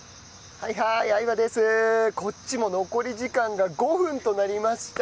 こっちも残り時間が５分となりました。